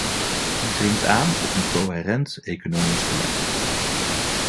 U dringt aan op een coherent economisch beleid.